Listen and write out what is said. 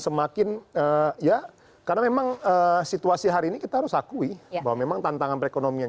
semakin ya karena memang situasi hari ini kita harus akui bahwa memang tantangan perekonomian